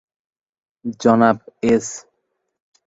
জনাব এস।